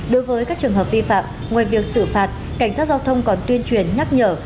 đối với các trường hợp vi phạm ngoài việc xử phạt cảnh sát giao thông còn tuyên truyền nhắc nhở